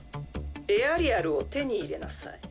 エアリアルを手に入れなさい。